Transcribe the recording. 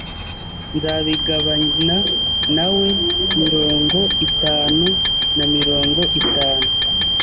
Nzabigabana nawe mirongo itanu na mirongo itanu.